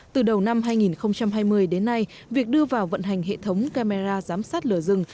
từ đầu năm hai nghìn hai mươi đến nay việc đưa vào vận hành hệ thống camera giám sát lửa rừng